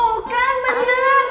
tuh kan bener